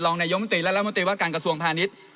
กำธังในย้อมณุนตรีรัฐมนตรีวัตการกระทรวงพาณิชย์